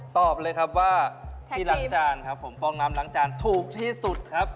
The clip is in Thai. ตอบเลยครับว่าที่ล้างจานครับผมฟองน้ำล้างจานถูกที่สุดครับ